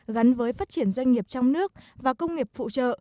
gắn với phát triển doanh nghiệp trong nước và công nghiệp phụ trợ